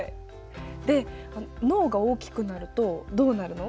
で脳が大きくなるとどうなるの？